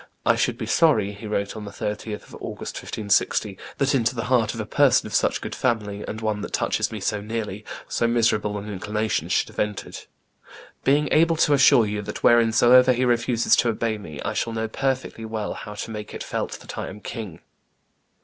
"I should be sorry," he wrote on the 30th of August, 1560, "that into the heart of a person of such good family, and one that touches me so nearly, so miserable an inclination should have entered; being able to assure you that whereinsoever he refuses to obey me I shall know perfectly well how to make it felt that I am king."